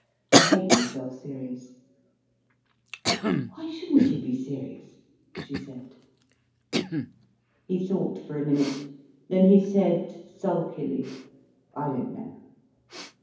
I hate myself serious." "Why shouldn't you be serious?" she said. He thought for a minute, then he said, sulkily: "I don't know."